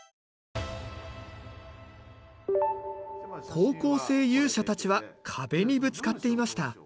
高校生勇者たちは壁にぶつかっていました。